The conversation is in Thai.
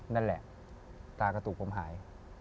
นั่นแหละตากระตุกผมหาย